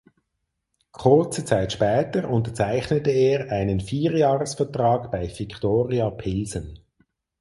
Kurze Zeit später unterzeichnete er einen Vierjahresvertrag bei Viktoria Pilsen.